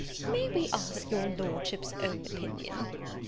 "May we ask your Lordship's own opinion?"